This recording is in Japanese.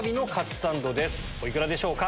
お幾らでしょうか？